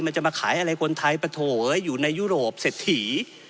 จะมาขายอะไรคนไทยปะโถอยู่ในยุโรปเศรษฐี